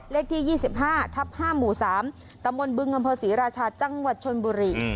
เลขที่๒๕ทับ๕หมู่๓ตำบลบึงอำเภอศรีราชาจังหวัดชนบุรี